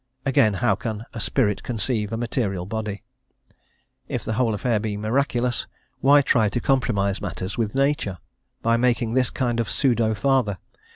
Again, how can a "spirit" conceive a material body? If the whole affair be miraculous, why try to compromise matters with nature, by making this kind of pseudo father?